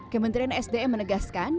kementerian sdm menegaskan